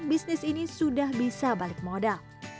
bisnis ini sudah bisa balik modal